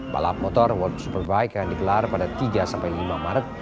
balap motor world superbike yang digelar pada tiga lima maret